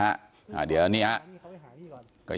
พันให้หมดตั้ง๓คนเลยพันให้หมดตั้ง๓คนเลย